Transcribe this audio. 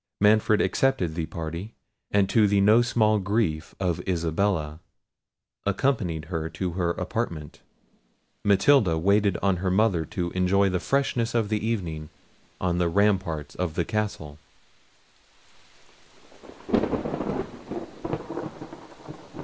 Manfred accepted the party, and to the no small grief of Isabella, accompanied her to her apartment. Matilda waited on her mother to enjoy the freshness of the evening on the ramparts of the castle.